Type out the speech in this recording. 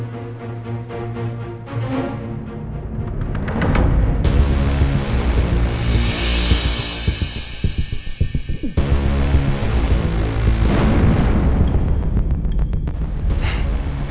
terima kasih ya